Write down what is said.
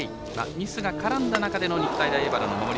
ミスが絡んだ中での日体大荏原。